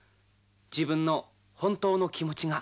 自分の本当の気持ちが。